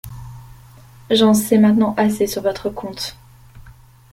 J’en sais maintenant assez sur votre compte…